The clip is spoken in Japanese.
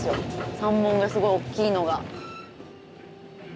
山門がすごい大きいのが。